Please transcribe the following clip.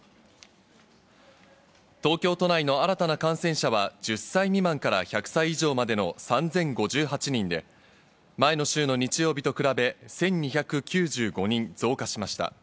東京都内の新たな感染者は、１０歳未満から１００歳以上までの３０５８人で、前の週の日曜日と比べ、１２９５人増加しました。